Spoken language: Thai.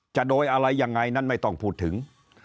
จะโดยอะไรยังไงนั้นไม่ต้องพูดถึง